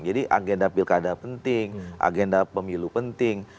jadi agenda pilihan pilihan penting agenda pemilu penting